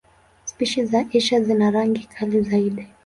Spishi za Asia zina rangi kali zaidi.